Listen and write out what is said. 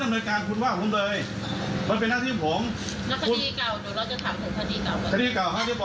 จะได้เอามันขึ้นมาสอบปากความข้างในห้อง